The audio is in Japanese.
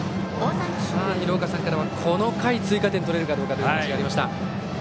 廣岡さんからはこの回、追加点を取れるかどうかというお話がありました。